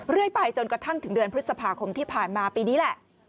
เรื่อยไปจนกระทั่งถึงเดือนพฤษภาคมที่ผ่านมาปีนี้แหละ